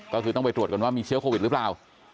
ก็คือต้องไปตรวจกันว่ามีเชื้อโควิดหรือเปล่า